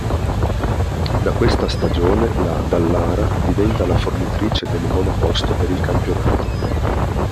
Da questa stagione la Dallara diventa la fornitrice delle monoposto per il campionato.